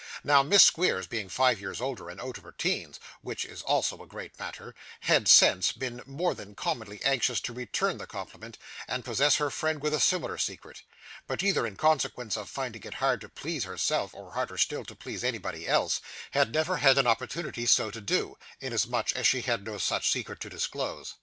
Now, Miss Squeers being five years older, and out of her teens (which is also a great matter), had, since, been more than commonly anxious to return the compliment, and possess her friend with a similar secret; but, either in consequence of finding it hard to please herself, or harder still to please anybody else, had never had an opportunity so to do, inasmuch as she had no such secret to disclose.